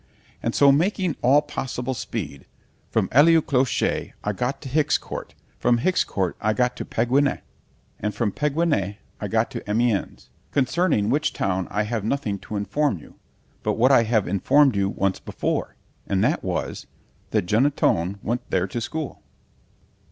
And so making all possible speed, from Ailly au clochers, I got to Hixcourt, from Hixcourt I got to Pequignay, and from Pequignay, I got to AMIENS, concerning which town I have nothing to inform you, but what I have informed you once before——and that was—that Janatone went there to school.